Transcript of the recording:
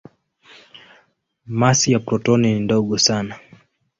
Masi ya protoni ni ndogo sana.